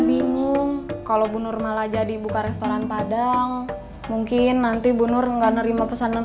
bingung kalau bunur malah jadi buka restoran padang mungkin nanti bunur nggak nerima pesanan